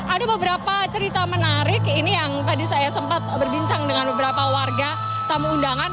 ada beberapa cerita menarik ini yang tadi saya sempat berbincang dengan beberapa warga tamu undangan